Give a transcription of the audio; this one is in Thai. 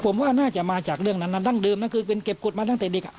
ผมว่าน่าจะมาจากเรื่องนั้นน่าจะเก็บกฎมาตั้งแต่เด็ก